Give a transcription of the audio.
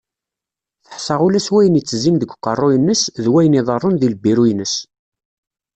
Teḥṣa ula s wayen itezzin deg uqerru-ines d wayen iḍarrun di lbiru-ines.